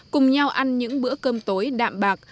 cùng nhau ăn những bữa cơm tối đạm bạc